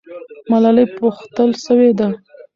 ملالۍ پوښتل سوې ده.